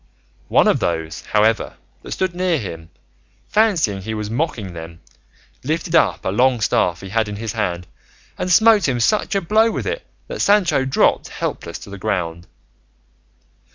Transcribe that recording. One of those, however, that stood near him, fancying he was mocking them, lifted up a long staff he had in his hand and smote him such a blow with it that Sancho dropped helpless to the ground.